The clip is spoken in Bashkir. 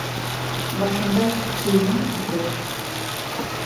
Башындай көйөң китер.